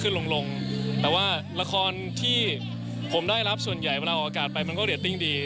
ลงลงแต่ว่าละครที่ผมได้รับส่วนใหญ่เวลาออกอากาศไปมันก็เรตติ้งดี